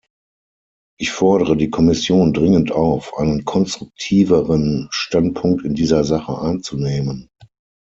Ich fordere die Kommission dringend auf, einen konstruktiveren Standpunkt in dieser Sache anzunehmen.